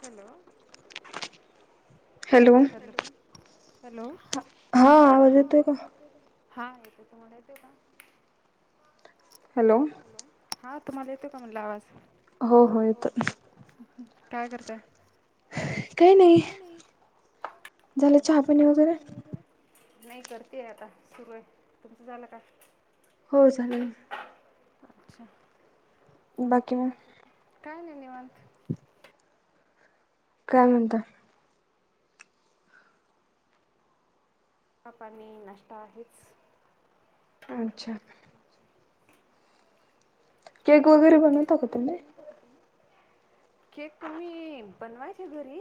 Hello. Hello का [unintelligible] हा येते तुम्हाला येते का. हॅलो हा. तुम्हाला येतो का म्हणला आवाज. हो हो येतय. काय करतय अच्छा. नाही करतेय आता सुरू आहे. तुमचं झालं का? हो झालं ना. अच्छा. मग [unintelligible] काय नाही निवांत. काय म्हणता? चहा पाणी नाष्टा हेच. अच्छा. केक वगैरे बनवता का तुम्ही. केक मी बनवायचे घरी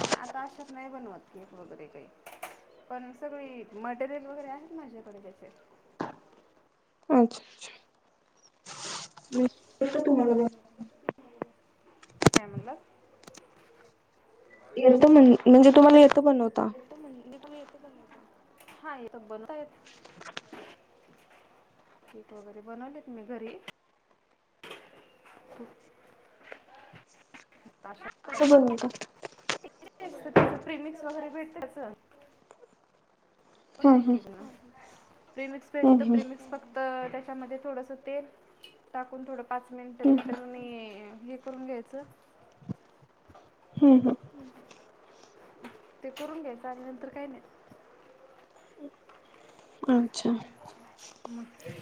पण आता अशात नाही बनवत केक वगैरे काही पण सगळी मटेरियल वगैरे आहेत. माझ्याकडे त्याचे. अच्छा अच्छा. मी फक्त तुम्हाला म्हणाले. काय म्हटलात? येतो म्हण म्हणजे तुम्हाला येतो बनवता? हा येतो बनवता [unintelligible] केक वगैरे बनवलेत मी घरी आशा. कसं बनवतात? प्रेमिक्स वगैरे भेटतच को नाही कक ना [unintelligible] प्रेमिक्स. भेटते प्रेमिक्स फक तर त्याच्यामध्ये थोडस तेल टाकून थोडं पाच मिनिट भतर [unintelligible] मी हे करून घ्यायचं ते करून घ्यायचं आणि नंतर काय नाय मग ते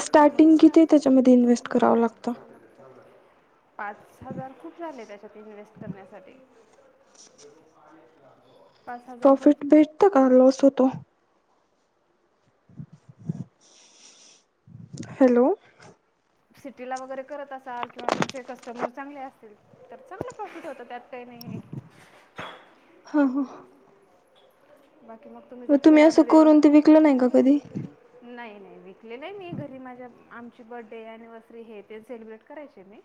[unintelligible] म्हणजे स्टार्टिंग किती त्याच्यामध्ये इन्व्हेस्ट करावं लागत? पाच हजार खूप झाले त्याच्यात इन्व्हेस्ट करण्यासाठी. प्रॉफिट भेटत? का लॉस होतो? हॅलो. सिटीला वगैरे करत असाल किंवा तुमचे कस्टमर चांगले असतील तर चांगलं प्रॉफिट होतं त्यात. हा हा. मग तुम्ही जर खेड्यामध्ये कर विकल नाही कधी नाही नाही. विकलेलं आहे मी घरी माझ्या आमची बर्थडे ते अनिव्हर्सरी हे ते सेलिब्रेट करायचे मी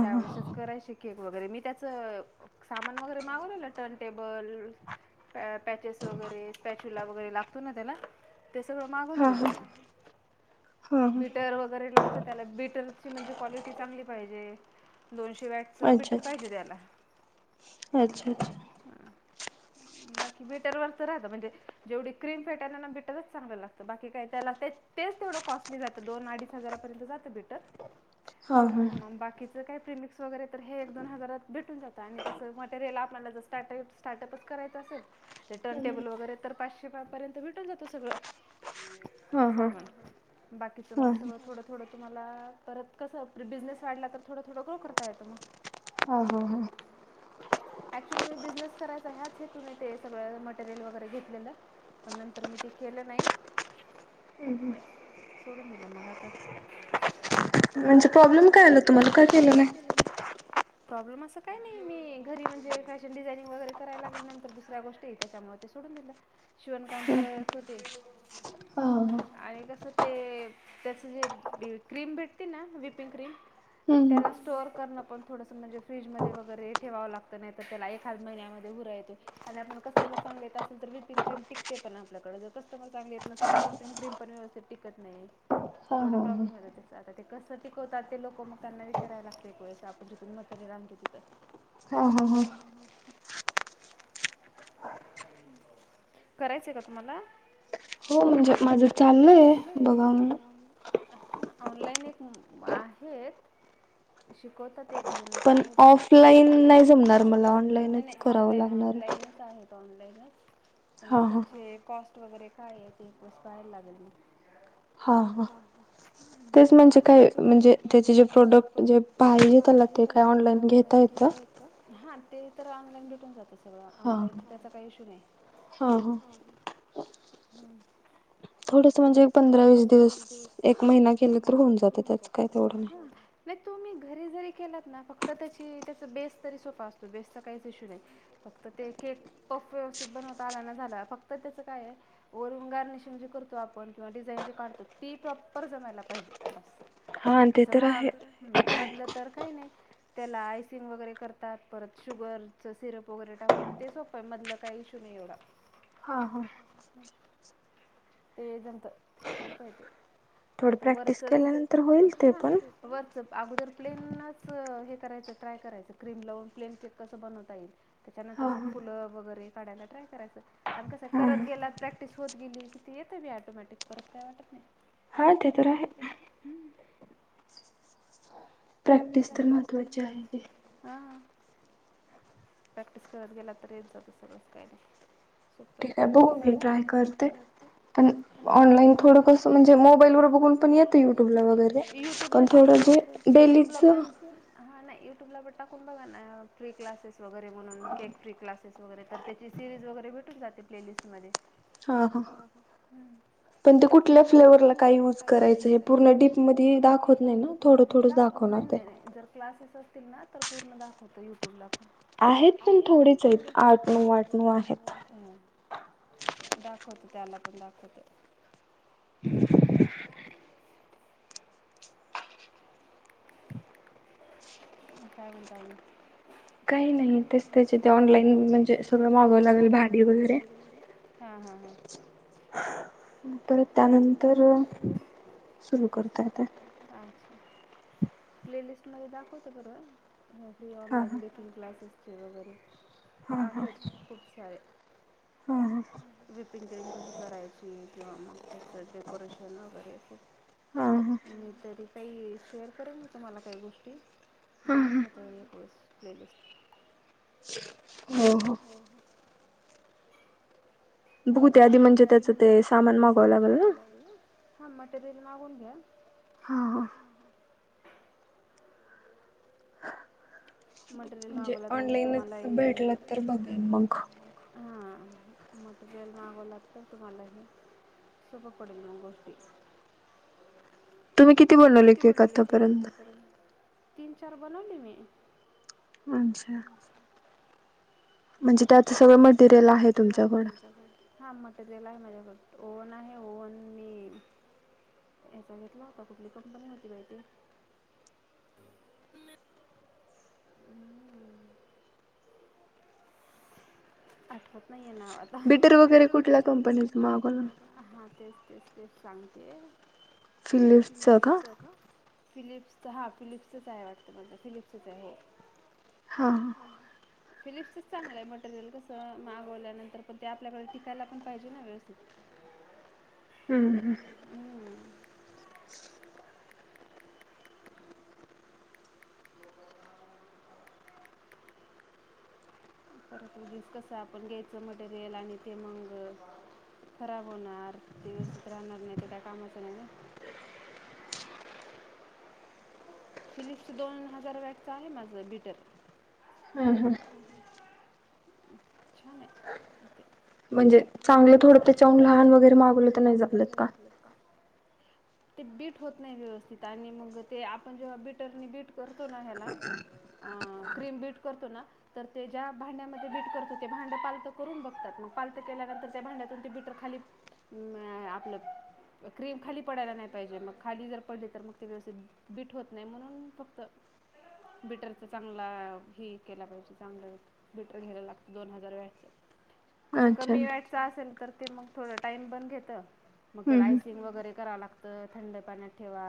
त्यावेेळेसच करायचे केक. वगैरे मी त्याचं सामान वगैरे मागवलेलं टर्नटेबल पॅचेस वगैरेच वगैरे लागतो ना त्याला. ते सगळं मागवलं होत मी. बीटर वगैरे लागतं त्याला बीटरची म्हणजे क्वालिटी चांगली पाहिजे. दोनशे वॅटच बिटर पाहिजे त्याला. बाकी बीटर वर तर राहत म्हणजे जेवढी क्रीम फेटायला बीटरच चांगल लागतं बाकी काय त्याला तेच तेवढं कॉस्टली क जात दोन अडीच हजारापर्यंत जातं बिटर. मग बाकीचं काय प्रीमिक्स वगैरे हे एक दोन हजारात भेटून जात. तर आणि त्याचं मटेरियल आपल्याला जर स्टार्टप स्टार्टअपच करायचं असेल ते टर्न टेबल वगैरे तर पाचशे पर्यंत भेटून जातो सगळं. सामान. बाकीचं मग सगं थोडं थोडं तुम्हाला परत कस बिझनेस वाढला तर थोडं थोड ग्रो करता येतो मग. ह ह ह. अक्चुली मी बिझनेस करायच ह्याच हेतूने ते सगळं मटेरियल वगैरे घेतलेलं पण नंतर मी ते केलं नाही. सोडून दिलं मग आता. म्हणजे प्रॉब्लेम काय आला तुम्हाला काय केले नाही? प्रॉब्लेम असं काही नाही मी घरी म्हणजे फॅशन डिझायनिंग वगैरे करायला लागल्या नंतर दुसऱ्या गोष्टी त्याच्यामुळे ते सोडून दिलं शिवण काम करत होते आणि कस ते त्याचं जे क्रीम भेटते ना विपिंग क्रीम त्याला स्टोअर करणं पण थोडस म्हणजे फ्रीजमध्ये वगैरे हे ठेवावं लागतं नाही तर त्याला एखाद महिन्यामध्ये भुरा येतो आणि आपण कस्टमर चांगले येत असेल तर विपिंग क्रीम टिकते पण आपल्याकडं जर कस्टमर चांगले येत नसेल तर विपिंग क्रीम पण व्यवस्थित टिकत नाही थोडा प्रॉब्लेम हो त्या आता ते कसं टिकवतात ते लोक मग त्यांना विचारयला लागते एक वेळेस आपण जिथून मटेरियल आणतो तिथं. हा हा हा. करायचंय का तुम्हाला? हो म्हणजे माझं चाललंय बघाव म्हणुन. ऑनलाईन एक आहेत शिकवतात एक जणच आहे पण ऑफलाईन नाही जमणार मला. नाही नाही ऑनलाईन ऑनलाईनच आहेत. Online. बस. पण त्यांचे कॉस्ट वगैरे काये ते एक वेळेस पाहायला लागेल म. हा ह तेच म्हणजे काय म्हणजे त्याचे जे प्रोडक्ट जे पाहिजे त्याला ते काय ऑनलाईन घेता येत. हा. ते तर ऑनलाईन भेटून जातं सगळं ऑनलाईन त्याचा काय ईशू नाही. ह ह. हम्म [inaudible] म्हणजे पंधरा वीस दिवस एक महिना केेला तर होऊन जाते त्याच काय एवढ नाही हा न तुम्ही घरी जरी केलात ना फक्त त्याची त्याचा बेस तरी सोप असतो बेसचा काहीच इश्यू नाही फक्त ते केक पफ व्यवस्थित बनवता आला ना झाला, फक्त त्याचं काये वरून गार्निशिंग जे करतो आपण किंवा डिझाईन जे काढतो ती प्रॉपर जमायला पाहिजे बस. बाकीच म मधलं तर काही नाही. त्याला आयसिंग वगैरे करतात, परत शुगरच सिरप वगैरे टाकून ते सोप मधलं काही इशू नाही एवढा ते जमत सोपय ते. फक्त वरचा हा वरचच. अगोदर प्लेनच हे करायचं ट्राय करायचं क्रीम लावून प्लेन केक कसं बनवता येईल त्याच्यानंतर मग फुलं वगैरे काढाला ट्रय करायचं आणि कसं करत गेलात, प्रॅक्टिस होत गेली, कि ते येत बी ऑटोमॅटिक परत काय वाटत नाही. हा ते तर आहे. हम्म. हा. प्रॅक्टिस करत गेला तर येत जात सर्वच काय नाही. सोपय ठीके बघून मी ट्राय करते पण ऑनलाईन थोड कस म्हणजे मोबाईल व बघून पण येत युट्यूबला यट्यूब ला टाकला युट्यूबला पण हा नाही. यूट्यूबला पण टाकून बघा ना फ्री क्लासेस वगैरे म्हणून केक फ्री क्लासेस वगैरे तर त्याची सिरीज वगैरे भेटून जाते प्लेलिस्ट मध्ये. बघु पण ते कुठल्या फ्लेवरला काय युज करायच पूर्ण डिप मध्ये दाखवत नाही दाख नाही नाही जर क्लासेस अस तील ना तर पूर्ण दाखवतो युट्यूबला आहेत पण थोडी थोच आठ दोन वाज तीन वा दाव [unintelligible] त्याला पण दाखवत्या. हम् [inaudible] काय म्हणता अजून. काही नाही, तेच त्याचे ते ऑनलाईन म्हणजे सगळं मागावं लागेल भाडी वगैरे. हा हा हा. परत त्यानंतर सुरु करता येतंय. प्ले लिस्ट मध्ये दाखवो परवा फ्री ऑलाईन बेकिंग क्लासेस. [unintelligible] आहेत खूप सारे. विपिंग क्रीम कशी करायची. आणि जेव्हा मग त्याचं डेकोरेशन वगैरे खूप, आणि तरी काही शेअर करेल मी तुम्हाला काही गोष्टी. बघून घेतो एक [unintelligible] प्ले लिस्ट. हो हो. बघुते आधी म्हणजे त्याचं ते सामान मागावं लागेल ना. हा मटेरियल मागून घ्या. मटेरियल मागवलात म्हणजे तुम्हालाही हां. मटेरियल मागवलात तर तुम्हाला हे सोबं पडेल मग गोष्टी. तुम्ही किती बनवले केक आत्तापर्यंत? तीन चार बनवले मी. अच्छा. म्हणजे त्याचं सगळं मटेरियल आहे तुमच्याकडे. हा मटेरियल आहे माझ्याकड. ओवन आहे ओवन मी याचा घेतला होता कुठली कंपनी होती बाई ती. आठवत नाही. हे नाव आता बिटर वगैरे कुठल्या कंपनी मा हा तेच तेच तेच सांगते फिलीपचा का? फिलिप्स हा फिलिप्सच आहे वाटतं माझ फिलिप्सच आहे हो. हा फिलिप्सच चांगला आहे मटेरियल कस मागवल्यानंतर पण ते आपल्याकडे टिकायला पण पाहिजे ना व्यवस्थित. हम्म हम्म. परत उगीच कसंय, आपण घ्यायचं मटेरियल आणि ते मग खराब होणार ते व्यवस्थित राहणार नाही ते काय कामाचं नाही ना. फिलिप्सच दोन हजार वॅटचं आहे माझं बिटर हं. हं. छान हाय [unintelligible] म्हणजे चांगलं थोडं त्याच्यान लहान वगैरे मागलं तर नाही जपलंत का? ते बीट होत नाही व्यवस्थित आणि मग ते आ पण जेव्हा बीटरनी बीट करतो ना ह्याला अ क्रीम बीट करतो ना तर ते ज्या भांड्यामध्ये बीट करतो ते भांडं पालतं करून बघतात मग पालतं केल्यानंतर त्या भांड्यातून ते बीटर खाली आपलं क्रीम खाली पडायला नाही पाहिजे मग खाली जर पडली तर मग ते व्यवस्थित - - बीट होत नाही म्हणून फक्त बीटरच चांगला हे केला पाहिजे चांगलं बिटर घ्यायला लागत दोन हजार वॅटचं - - कसं कमी वॅटचं असेल तर ते मग थोडं टाइम बंद घेतं - - मग त्याला आयसिंग वगैरे कराव लागत. थंड पाण्यात ठेवा.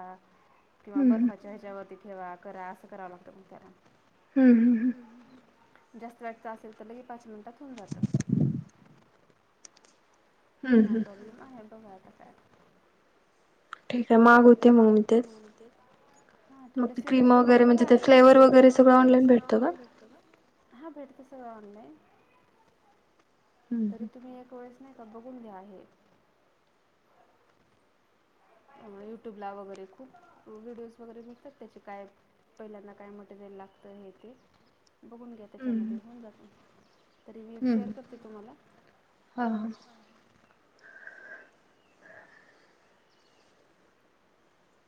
किंवा बर्फाच्या हेच्यावरती - - ठेवा करा असं करावं लागतं मग त्याला - - हम्म हम्म हम. जास्त वॅटचा असेल तर ले पाच मिनटात होऊन जात. हा प्रॉब्लेम आहे बघा. [unintelligible] ठीक आहे महाग होते म्हणून ते हा थोड सिरीज वगैरे बघा म्हणजे ते फ्लेवर वगैरे सगळं ऑनलाईन भेटतो का? हा भेटत हो ऑनलाईन. तरी तुम्ही एक वेळेस नाय का बघून घ्या हे. युट्यूबला वगैरे खूप व्हिडिओज वगैरे मिळतात त्याचे काय पहिल्यांदा काय मटेरियल लागतं हे ते बघून घ्या त्याच्यामध्ये होऊन जात तरी मी एक शेअर करते तुम्हाला.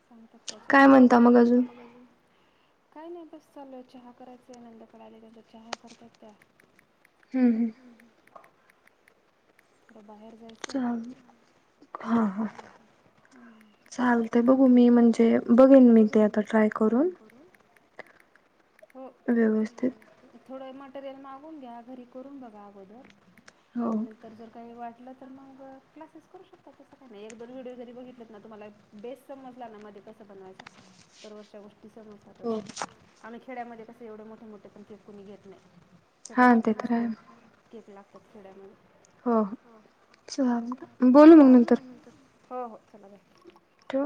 सांगतात त्याच्यात काय म्हणता मग अजून? काय नाही बस चालूय चहा करायचे. नंदकडं आले त्याचा चहा करतात त्या - - हम्म हम्म. ब बाहेर - - चालतयं बघू मी म्हणजे बघेन मी ते आता ट्राय करून व्यवस्थित थोडं मटेरियल मागून घ्या. घरी करून बघा अगोदर - आणि नंतर जर वाटलं तर मग क्लासेस करू शकतात तसं काय नाही एक दोन व्हिडिओ जरी बघितलेत ना तुम्हाला बेस्ट समजला ना मध्ये कस बनवायच तरच्या गोष्टी समजतांचं. आम्ही - - खेड्यामध्ये कसे एवढे मोठे, मोठे, पण केक कुणी घेत नाही. छोटाल, छोटाल च केक, केक ला त खेड्या मदे. हो च बोलू मग नंतर. हो हो चला बाय. ठू.